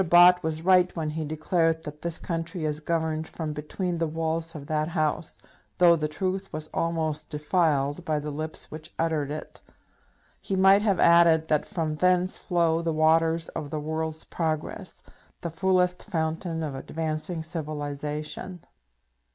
Bott was right when he declared that this country is governed from between the walls of that House, though the truth was almost defiled by the lips which uttered it. He might have added that from thence flow the waters of the world's progress, the fullest fountain of advancing civilization.